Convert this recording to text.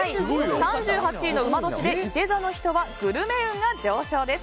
３８位の午年でいて座の人はグルメ運が上昇です。